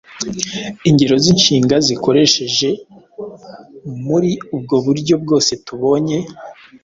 Ingero z’inshinga zikoresheje muri ubwo buryo bwose tubonye: